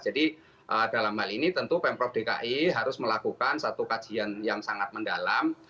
jadi dalam hal ini tentu pm prof dki harus melakukan satu kajian yang sangat mendalam